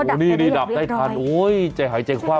ดับแนวละอีกร้อยโหนี่ดับได้กันเออจระหายใจขว่ำ